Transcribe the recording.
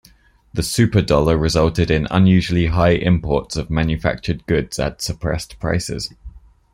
The "super dollar" resulted in unusually high imports of manufactured goods at suppressed prices.